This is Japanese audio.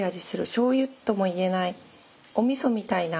しょうゆとも言えないおみそみたいな。